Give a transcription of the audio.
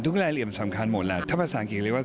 รายละเอียดมันสำคัญหมดแหละถ้าภาษาอังกฤษเรียกว่า